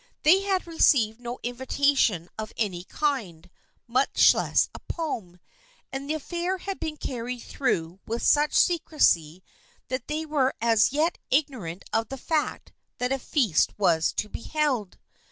They had received no invitation of any kind, much less a poem, and the affair had been carried through with such secrecy that they were as yet ignorant of the fact that a feast was to be held.